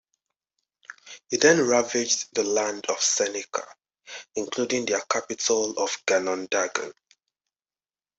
He then ravaged the land of the Seneca, including their capital of Ganondagan.